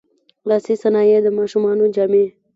لاسي صنایع، د ماشومانو جامې.